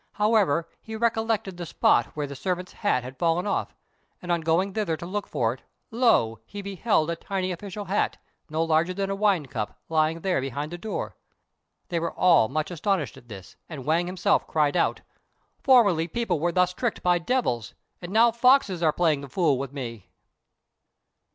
However, he recollected the spot where the servant's hat had fallen off, and on going thither to look for it, lo! he beheld a tiny official hat, no larger than a wine cup, lying there behind the door. They were all much astonished at this, and Wang himself cried out, "Formerly people were thus tricked by devils; and now foxes are playing the fool with me!"